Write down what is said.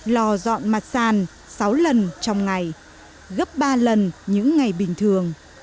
lò dọn mặt sàn sáu lần trong ngày gấp ba lần những ngày bình thường